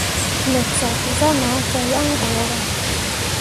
Me cak zah na gah yaŋ ɓorah.